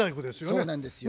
そうなんですよ。